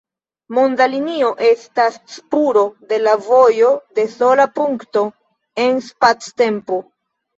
Monda linio estas spuro de la vojo de sola punkto en spactempo.